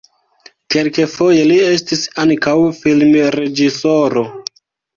Kelkfoje li estis ankaŭ filmreĝisoro.